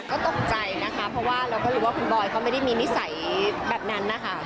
ก็ตกใจนะคะเพราะว่าเราก็รู้ว่าคุณบอยก็ไม่ได้มีนิสัยแบบนั้นนะคะ